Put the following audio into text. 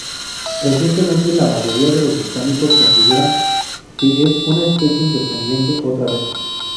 Recientemente, la mayoría de los botánicos consideran que es una especie independiente otra vez.